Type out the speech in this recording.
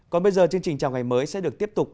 còn bây giờ chương trình chào ngày mới sẽ được tiếp tục